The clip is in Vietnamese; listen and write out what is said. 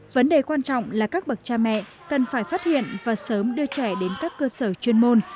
vấn đề quan trọng là các bậc cha mẹ cần phải phát hiện và sớm đưa trẻ đến các cơ sở chuyên môn